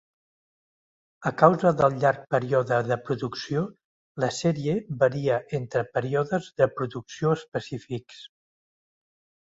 A causa del llarg període de producció, la sèrie varia entre períodes de producció específics.